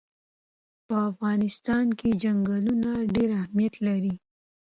په افغانستان کې چنګلونه ډېر اهمیت لري.